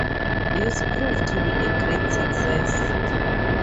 This proved to be a great success.